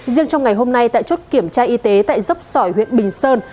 riêng trong ngày hôm nay tại chốt kiểm tra y tế tại dốc sỏi huyện bình sơn